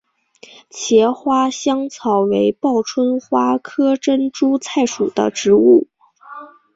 茄花香草为报春花科珍珠菜属的植物。